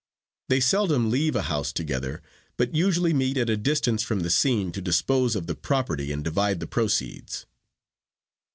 They seldom leave a house together, but usually meet at a distance from the scene to dispose of the property and divide the proceeds.